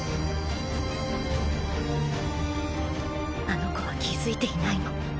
あの子は気付いていないの。